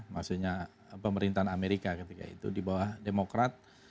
maksudnya pemerintahan amerika ketika itu di bawah demokrat